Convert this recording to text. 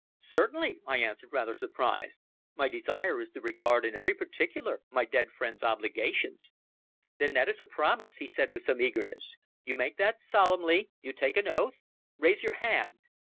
"Certainly," I answered, rather surprised. "My desire is to regard in every particular my dead friend's obligations." "Then that is a promise," he said with some eagerness. "You make that solemnly you take an oath? Raise your hand!"